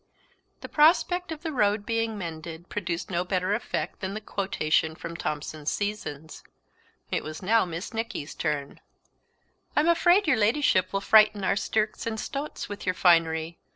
The prospect of the road being mended produced no better effect than the quotation from Thomson's "Seasons." It was now Miss Nicky's turn. "I'm afraid your Ladyship will frighten our stirks and stots with your finery.